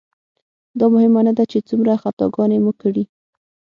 دا مهمه نه ده چې څومره خطاګانې مو کړي.